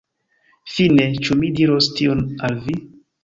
Fine, ĉu mi diros tion al vi?